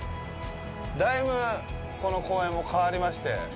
だいぶ、この公園も変わりまして。